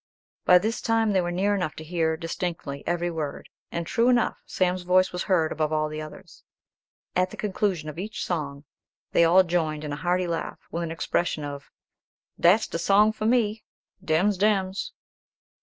By this time they were near enough to hear distinctly every word; and, true enough, Sam's voice was heard above all others. At the conclusion of each song they all joined in a hearty laugh, with an expression of "Dats de song for me;" "Dems dems."